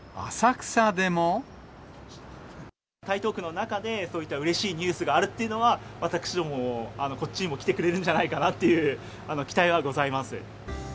台東区の中で、そういったうれしいニュースがあるというのは、私どもも、こっちにも来てくれるんじゃないかなっていう、期待はございます。